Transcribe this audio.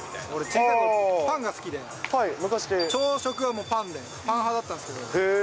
小さいころ、パンが好きで、朝食はもうパンで、パン派だったんですけど。